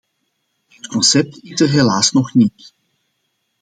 Dat concept is er helaas nog niet.